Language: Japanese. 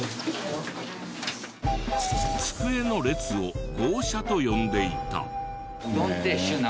机の列を「号車」と呼んでいた。